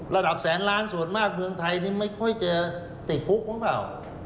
ระดับแสนล้านส่วนมากเมืองไทยนี่ไม่ค่อยจะติดคุกหรือเปล่า